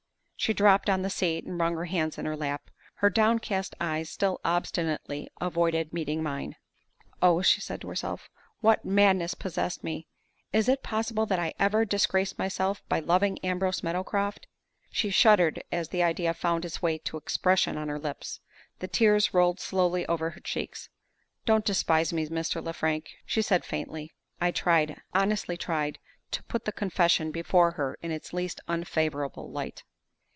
She dropped on the seat, and wrung her hands on her lap. Her downcast eyes still obstinately avoided meeting mine. "Oh!" she said to herself, "what madness possessed me? Is it possible that I ever disgraced myself by loving Ambrose Meadowcroft?" She shuddered as the idea found its way to expression on her lips. The tears rolled slowly over her cheeks. "Don't despise me, Mr. Lefrank!" she said, faintly. I tried, honestly tried, to put the confession before her in its least unfavorable light.